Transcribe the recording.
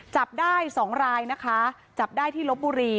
จับได้๒รายนะคะจับได้ที่ลบบุรี